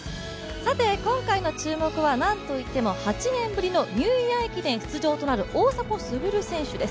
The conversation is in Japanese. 今回の注目は、何といっても８年ぶりのニューイヤー駅伝出場となる大迫傑選手です。